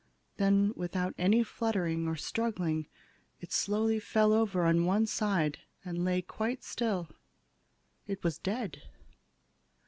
Then without any fluttering or struggling, it slowly fell over on one side and lay quite still. It was dead!